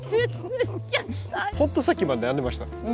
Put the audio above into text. ほんとさっきまで悩んでました。